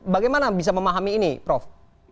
bagaimana bisa memahami ini prof